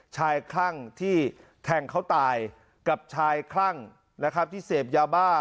ชายคลั่งที่แทงเขาตายกับชายคลั่งที่เสพยาบ้า